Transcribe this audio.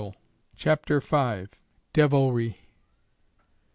CHAPTER V. DEVILRY.